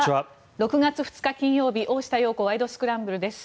６月２日、金曜日「大下容子ワイド！スクランブル」です。